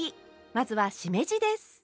まずはしめじです。